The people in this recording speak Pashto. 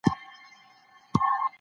په کور کي ناسم عادتونه نه هڅول کېږي.